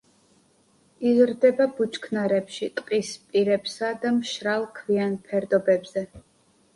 იზრდება ბუჩქნარებში, ტყის პირებსა და მშრალ ქვიან ფერდობებზე.